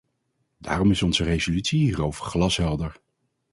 Daarom is onze resolutie hierover glashelder.